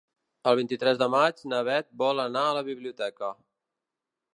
El vint-i-tres de maig na Bet vol anar a la biblioteca.